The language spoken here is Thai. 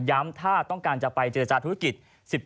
ย้ำถ้าต้องการจะไปใจจจาธุรกิจ๑๗๑๘๑๙